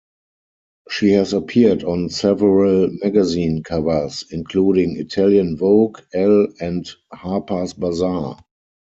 She has appeared on several magazine covers, including "Italian Vogue, Elle," and "Harper's Bazaar.